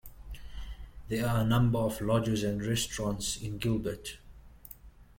There are a number of lodges and restaurants in Gilbert.